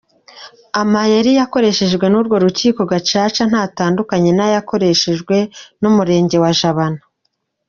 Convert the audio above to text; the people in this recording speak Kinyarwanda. Amayeri yakoreshejwe n’urwo rukiko gacaca ntatandukanye n’ayakoreshejwe n’umurenge wa Jabana.